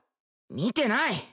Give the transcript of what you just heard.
見てない！